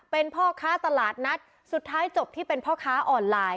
เป็นพ่อค้าตลาดนัดสุดท้ายจบที่เป็นพ่อค้าออนไลน์